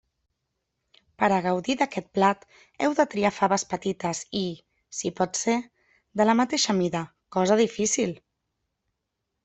Per a gaudir d'aquest plat heu de triar faves petites i, si pot ser, de la mateixa mida, cosa difícil.